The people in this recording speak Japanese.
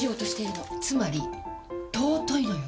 つまり尊いのよ！